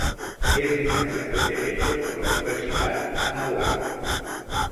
Es licenciado en derecho por la Universidad Anáhuac.